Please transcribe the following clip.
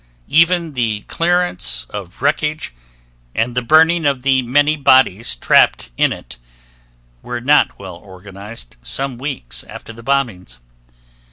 Even the clearance of wreckage and the burning of the many bodies trapped in it were not well organized some weeks after the bombings.